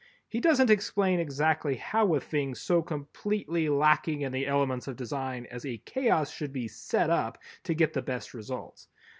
He doesn't explain exactly how a thing so completely lacking in the elements of design as a chaos should be "set up" to get the best results.